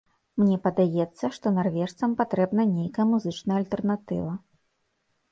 Мне падаецца, што нарвежцам патрэбна нейкая музычная альтэрнатыва.